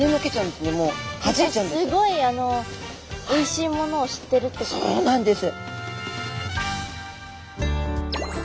すごいおいしいものを知ってるってことですか？